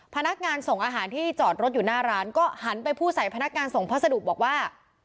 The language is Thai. พนักงานส่งอาหารที่จอดรถอยู่หน้าร้านก็หันไปพูดใส่พนักงานส่งพัสดุบอกว่า